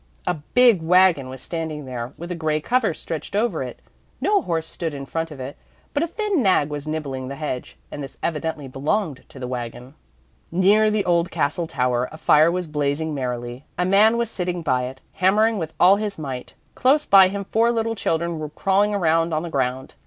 A big wagon was standing there, with a grey cover stretched over it. No horse stood in front of it, but a thin nag was nibbling the hedge, and this evidently belonged to the wagon. Near the old castle tower a fire was blazing merrily; a man was sitting by it, hammering with all his might. Close by him four little children were crawling around on the ground.